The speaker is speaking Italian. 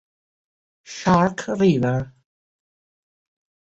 Shark River